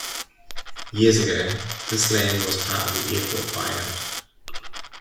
Years ago, this land was part of the airport buyout.